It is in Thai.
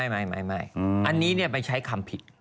ไม่อันนี้ไปใช้คำผิด